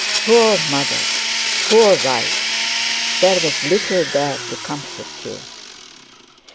Poor mother! Poor wife! There was little there to comfort you!